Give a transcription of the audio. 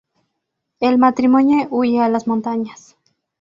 El matrimonio huye a las montañas.